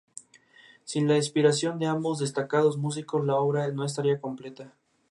Mientras tanto, Arya recupera a Aguja de las rocas donde la había escondido.